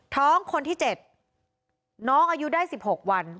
คนที่๗น้องอายุได้๑๖วัน